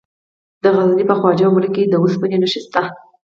د غزني په خواجه عمري کې د اوسپنې نښې شته.